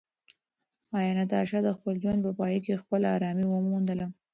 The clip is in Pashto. ایا ناتاشا د خپل ژوند په پای کې خپله ارامي وموندله؟